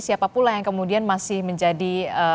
siapa pula yang kemudian masih menjadi